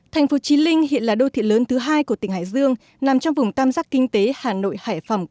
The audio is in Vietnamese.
thành phố trí linh hiện là đô thị lớn thứ hai của tỉnh hải dương nằm trong vùng tam giác kinh tế hà nội hải phòng quảng ninh